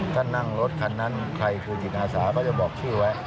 ถ้านั่งรถคันนั้นใครคือจิตอาสาก็จะบอกชื่อไว้